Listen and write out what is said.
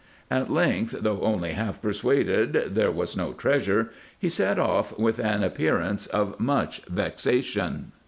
At length, though only half persuaded there was no treasure, he set off with an ap pearance of much vexation.